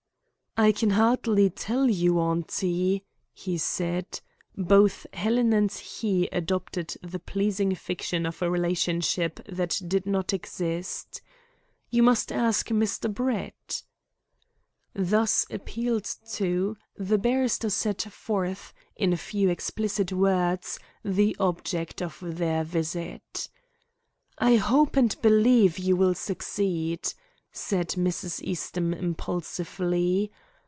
"I can hardly tell you, auntie," he said both Helen and he adopted the pleasing fiction of a relationship that did not exist "you must ask Mr. Brett." Thus appealed to, the barrister set forth, in a few explicit words, the object of their visit. "I hope and believe you will succeed," said Mrs. Eastham impulsively.